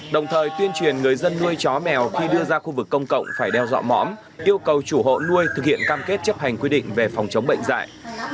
đồng thời tuyên truyền người dân nuôi chó mèo khi đưa ra khu vực công cộng phải đeo dọa mõm yêu cầu chủ hộ nuôi thực hiện cam kết chấp hành quy định về phòng chống bệnh dạy